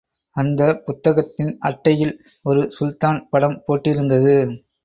அந்த புத்தகத்தின் அட்டையில், ஒரு சுல்தான் படம் போட்டிருந்தது.